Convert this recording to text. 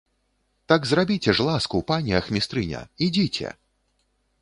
Так зрабіце ж ласку, пане ахмістрыня, ідзіце!